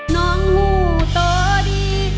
น้องหู้โตดี